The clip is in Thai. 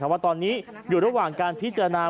ว่าตอนนี้อยู่ระหว่างการพิจารณา